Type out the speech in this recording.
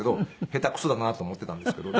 下手くそだなと思ってたんですけど。